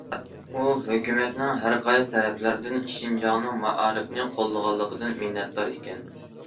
ئۇ ھۆكۈمەتنىڭ ھەر قايسى تەرەپلەردىن شىنجاڭنىڭ مائارىپىنى قوللىغانلىقىدىن مىننەتدار ئىكەن.